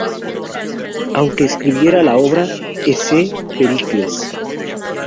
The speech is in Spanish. Aunque escribiera la obra "¡Ecce Pericles!